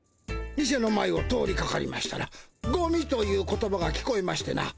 店の前を通りかかりましたら「ゴミ」という言葉が聞こえましてな。